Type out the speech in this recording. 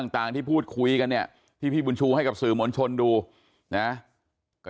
ต่างที่พูดคุยกันเนี่ยที่พี่บุญชูให้กับสื่อมวลชนดูนะก็